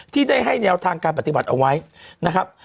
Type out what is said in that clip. ที่ได้ให้แนวทางการปฏิบัติเอาไว้นะครับ